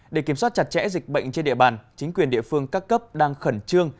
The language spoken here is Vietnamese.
để kiểm soát chặt chẽ dịch bệnh trên địa bàn chính quyền địa phương các cấp đang khẩn trương